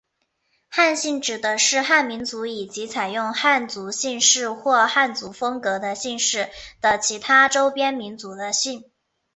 汉姓指的是汉民族以及采用汉族姓氏或汉族风格的姓氏的其他周边民族的姓。